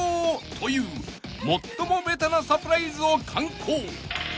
［という最もべたなサプライズを敢行］